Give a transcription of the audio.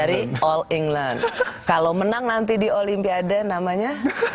dari all england kalau menang nanti di olimpiade namanya